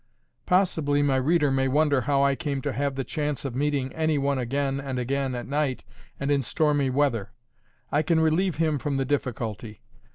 Possibly my reader may wonder how I came to have the chance of meeting any one again and again at night and in stormy weather. I can relieve him from the difficulty.